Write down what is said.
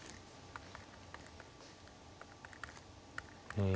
うん。